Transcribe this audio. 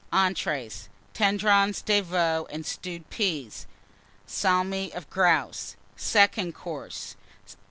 ENTREES. Tendrons de Veau and Stewed Peas. Salmi of Grouse. SECOND COURSE.